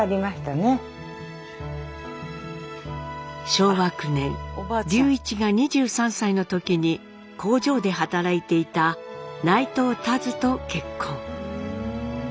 昭和９年隆一が２３歳の時に工場で働いていた内藤たづと結婚。